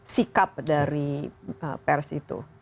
sikap dari pers itu